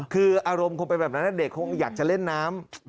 คืออารมณ์คงเป็นแบบนั้นเด็กคงอยากจะเล่นน้ำ